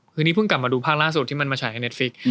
คือนี่เพิ่งกลับมาดูภาพล่าสุดที่มันมาฉายกับเน็ตฟิก